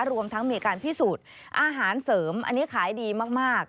รวมทั้งมีการพิสูจน์อาหารเสริมอันนี้ขายดีมาก